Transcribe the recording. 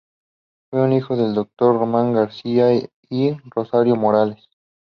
Fue hijo del doctor Román García y de Rosario Morales.